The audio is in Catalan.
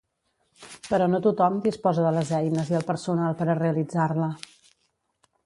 Però no tothom disposa de les eines i el personal per a realitzar-la.